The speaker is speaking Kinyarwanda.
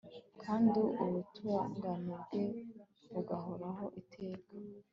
kandi ubutungane bwe bugahoraho iteka